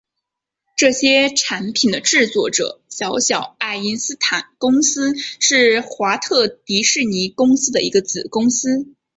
这些产品的制作者小小爱因斯坦公司是华特迪士尼公司的一个子公司。